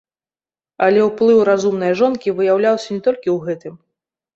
Але ўплыў разумнай жонкі выяўляўся не толькі ў гэтым.